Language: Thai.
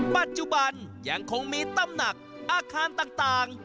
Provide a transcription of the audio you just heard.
ปัจจุบันยังคงมีตำหนักอาคารต่าง